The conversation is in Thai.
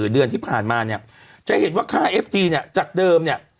เดือนที่ผ่านมาเนี่ยจะเห็นว่าค่าเอฟทีเนี่ยจากเดิมเนี่ย